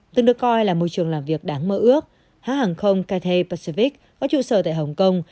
từng được coi là môi trường làm việc đáng mơ ước hãng hàng không caity pashivi có trụ sở tại hồng kông